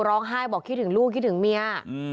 เป็นเรื่องร้องไห้บอกคิดถึงลูกคิดถึงเมีย